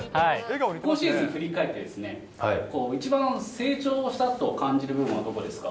今シーズン振り返ってですね、一番成長したと感じる部分はどこですか？